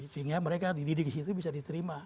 sehingga mereka dididik disitu bisa diterima